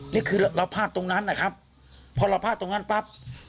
นี่คือเราพลาดตรงนั้นนะครับพอเราพลาดตรงนั้นปั๊บ